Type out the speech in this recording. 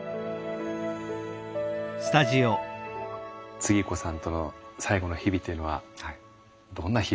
つぎ子さんとの最後の日々というのはどんな日々でしたか？